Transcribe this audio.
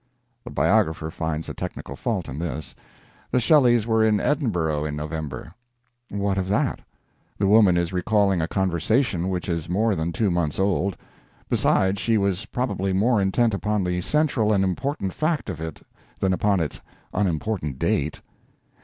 The biographer finds a technical fault in this; "the Shelleys were in Edinburgh in November." What of that? The woman is recalling a conversation which is more than two months old; besides, she was probably more intent upon the central and important fact of it than upon its unimportant date.